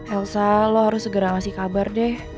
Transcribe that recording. elsa lo harus segera ngasih kabar deh